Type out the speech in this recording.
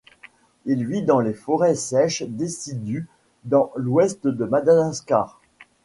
Il vit dans les forêts sèches décidues dans l'ouest de Madagascar.